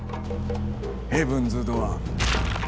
ヘブンズ・ドアー。